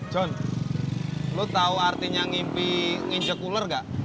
john lo tau artinya ngimpi nginjek ular gak